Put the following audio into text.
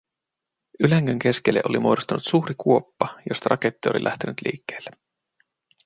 Ylängön keskelle oli muodostunut suuri kuoppa, josta raketti oli lähtenyt liikkeelle.